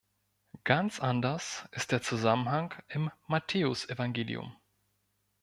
Ganz anders ist der Zusammenhang im Matthäusevangelium.